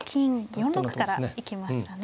４六から行きましたね。